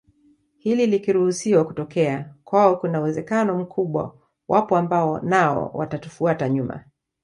Hili likiruhusiwa kutokea kwao kuna uwezekano mkubwa wapo ambao nao watatufuata nyuma